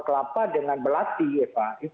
kelapa dengan belati eva